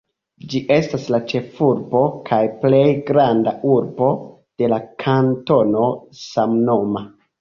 Ĝi estas la ĉefurbo kaj plej granda urbo de la kantono samnoma.